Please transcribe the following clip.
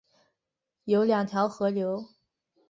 有二条河流